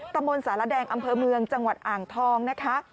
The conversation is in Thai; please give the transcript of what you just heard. ตำรวจสารแดงอำเภอเมืองจังหวัดอ่างทองนะคะ